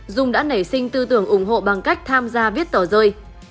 dung đã nảy sinh tư tưởng ủng hộ bằng cách tham gia viết tờ rơi